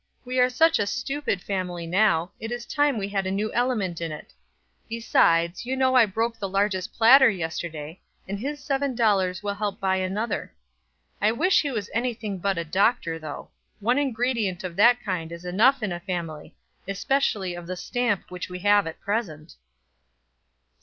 We are such a stupid family now, it is time we had a new element in it; besides, you know I broke the largest platter yesterday, and his seven dollars will help buy another. I wish he was anything but a doctor, though; one ingredient of that kind is enough in a family, especially of the stamp which we have at present."